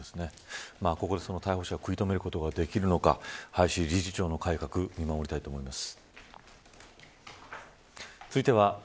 ここで逮捕者を食い止めることができるのか林理事長の改革に注目したいと思います。